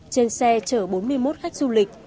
trên xe chở bốn mươi một khách du lịch